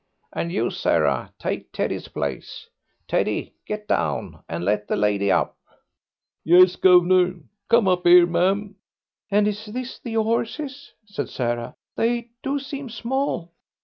And you, Sarah, take Teddy's place. Teddy, get down, and let the lady up." "Yes, guv'nor. Come up 'ere, ma'am." "And is those the 'orses?" said Sarah. "They do seem small."